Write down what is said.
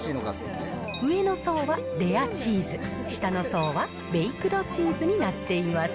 上の層はレアチーズ、下の層はベイクドチーズになっています。